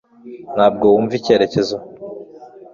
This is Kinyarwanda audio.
ntabwo wumva icyerekezo